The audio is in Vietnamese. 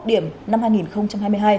điểm năm hai nghìn hai mươi hai